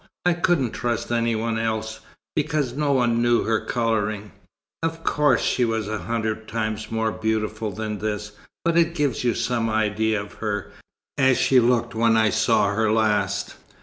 I couldn't trust any one else, because no one knew her colouring. Of course, she was a hundred times more beautiful than this, but it gives you some idea of her, as she looked when I saw her last."